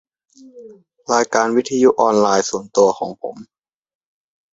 รายการวิทยุออนไลน์ส่วนตัวของผม